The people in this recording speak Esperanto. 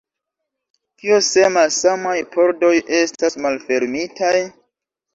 Kio se malsamaj pordoj estas malfermitaj?